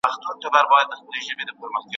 ¬ په خپله کوڅه کي سپى هم، زمرى وي.